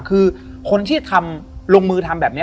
คือคนที่ทำลงมือทำแบบนี้